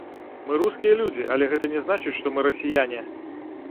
Мы рускія людзі, але гэта не значыць, што мы расіяне.